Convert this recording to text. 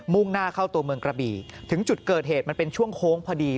่งหน้าเข้าตัวเมืองกระบี่ถึงจุดเกิดเหตุมันเป็นช่วงโค้งพอดี